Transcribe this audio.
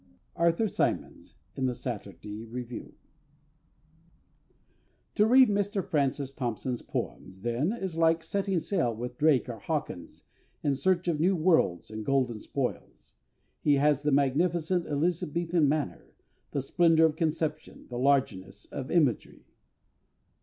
ARTHUR SYMONS, in The Saturday Review. To read Mr FRANCIS THOMPSON'S Poems, then, is like setting sail with DRAKE or HAWKINS in search of new worlds and golden spoils. He has the magnificent Elizabethan manner, the splendour of conception, the largeness of imagery.